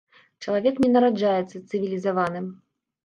Чалавек не нараджаецца цывілізаваным.